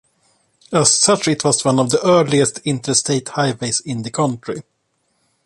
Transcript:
As such, it was one of the earliest interstate highways in the country.